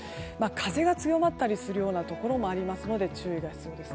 風が強まったりするところもありますので注意が必要です。